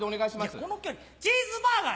いやこの距離チーズバーガー。